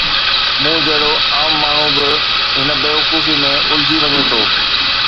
مون جهڙو عام ماڻهو به هن بيوقوفيءَ ۾ الجھجي وڃي ٿو.